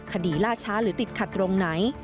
ล่าช้าหรือติดขัดตรงไหน